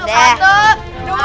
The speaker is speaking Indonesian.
ya lah ya lah ya lah